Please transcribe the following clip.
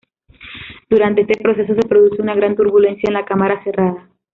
Durante este proceso, se produce una gran turbulencia en la cámara cerrada.